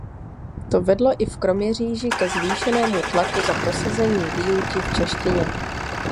To vedlo i v Kroměříži ke zvýšenému tlaku za prosazení výuky v češtině.